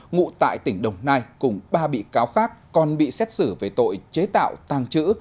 ngụ tại tỉnh đồng nai cùng ba bị cáo khác còn bị xét xử về tội chế tạo tàng trữ